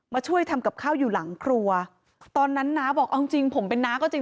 ช่วยทำกับข้าวอยู่หลังครัวตอนนั้นน้าบอกเอาจริงจริงผมเป็นน้าก็จริง